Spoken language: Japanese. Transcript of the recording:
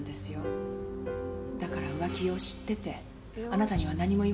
だから浮気を知っててあなたには何も言わなかった。